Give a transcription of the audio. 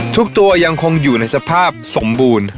ตัวยังคงอยู่ในสภาพสมบูรณ์